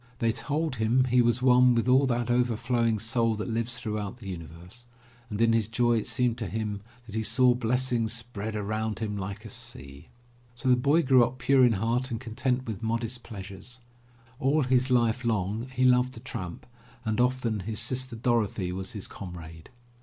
They told him he was one with all that overflowing Soul that lives throughout the universe, and in his joy it seemed to him that he "saw blessings spread around him like a sea." So the boy grew up pure in heart and content with modest pleasures. All his life long he loved to tramp and often his sister Dorothy was his comrade.